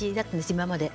今までは。